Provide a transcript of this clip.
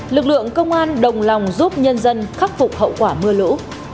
lực lượng công an đồng lòng giúp nhân dân khắc phục hậu quả mưa lũ